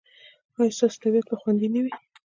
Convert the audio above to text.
ایا ستاسو طبیعت به خوندي نه وي؟